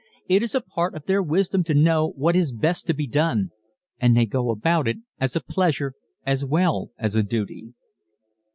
It is a part of their wisdom to know what is best to be done and they go about it as a pleasure as well as a duty.